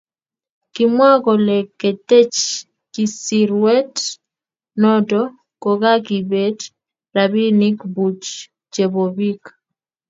kimwa kole ketech kisirwet noto kokakibeet rapinik buch chebo biik